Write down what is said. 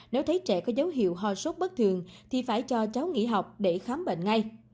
nếu thấy trẻ có dấu hiệu ho sốt bất thường thì phải cho cháu nghỉ học để khám bệnh ngay